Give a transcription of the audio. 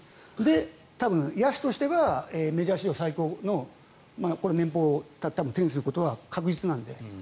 多分、野手としてはメジャー史上最高の年俸を手にすることは確実なので。